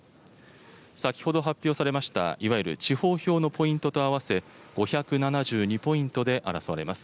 先ほど発表されました、いわゆる地方票のポイントと合わせ、５７２ポイントで争われます。